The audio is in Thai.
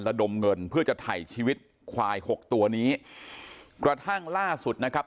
ระดมเงินเพื่อจะถ่ายชีวิตควายหกตัวนี้กระทั่งล่าสุดนะครับ